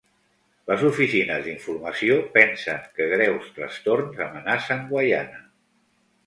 Les oficines d'informació pensen que greus trastorns amenacen Guaiana.